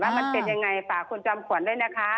มันเป็นยังไงฝากคุณจอมขวัญด้วยนะคะ